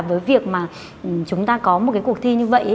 với việc mà chúng ta có một cái cuộc thi như vậy